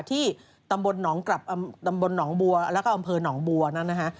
ที่ตำบลหนองกลับตำบลหนองบัวแล้วก็อำเภอหนองบัวนั้นนะฮะ